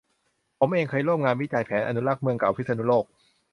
ผมเองเคยร่วมงานวิจัยแผนอนุรักษ์เมืองเก่าพิษณุโลก